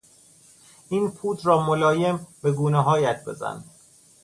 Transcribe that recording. این پودر را ملایم به گونههایت بزن.